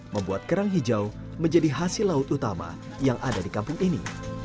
membuat kerang hijau menjadi hasil laut utama yang ada di kampung ini